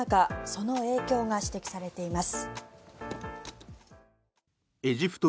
その影響が指摘されています。